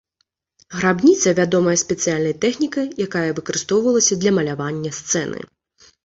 Грабніца вядомая спецыяльнай тэхнікай, якая выкарыстоўвалася для малявання сцэны.